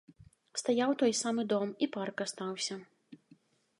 Стаяў той самы дом, і парк астаўся.